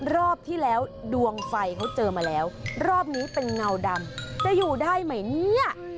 รอบที่แล้วดวงไฟเขาเจอมาแล้วรอบนี้เป็นเงาดำจะอยู่ได้ไหมเนี่ย